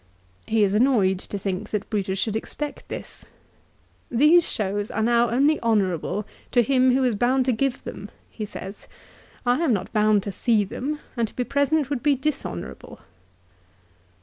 He is annoyed to think that Brutus should expect this. " These shows are now only honourable to him who is bound to give them," he says. " I am not bound to see them, and to be present would be dishonour able."